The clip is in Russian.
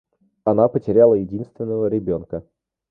Она потеряла единственного ребенка.